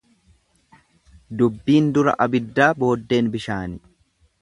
Dubbiin dura abiddaa booddeen bishaani.